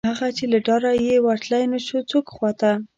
هغه، چې له ډاره یې ورتلی نشو څوک خواته